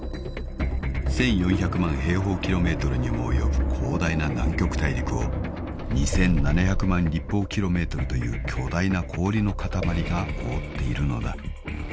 ［１，４００万平方ｋｍにも及ぶ広大な南極大陸を２，７００万立方ｋｍという巨大な氷の塊が覆っているのだ］